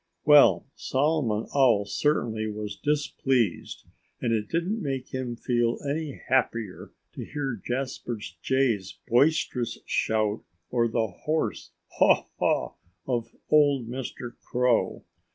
Well, Solomon Owl certainly was displeased. And it didn't make him feel any happier to hear Jasper Jay's boisterous shouts, or the hoarse "haw haw" of old Mr. Crow.